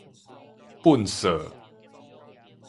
糞埽